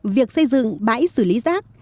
việc xây dựng bãi xử lý rác